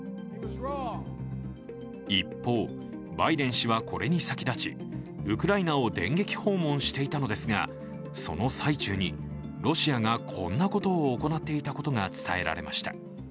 一方、バイデン氏はこれに先立ちウクライナを電撃訪問していたのですがその最中にロシアがこんなことを行っていたことが伝えられました。